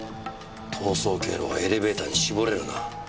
逃走経路はエレベーターに絞れるな。